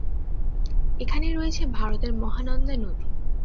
এখানে রয়েছে ভারতের মহানন্দা নদী।